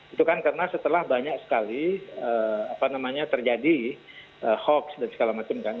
itu kan karena setelah banyak sekali terjadi hoax dan segala macam kan